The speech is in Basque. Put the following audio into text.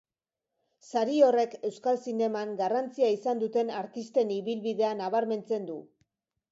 Sari horrek euskal zineman garrantzia izan duten artisten ibilbidea nabarmentzen du.